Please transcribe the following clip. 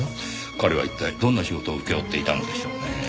彼は一体どんな仕事を請け負っていたのでしょうね？